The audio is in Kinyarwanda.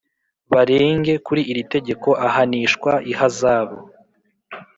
Barenge kuri iri tegeko ahanishwa ihazabu